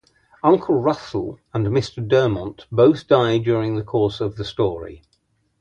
Uncle Russel and Mr Dermont both die during the course of the story.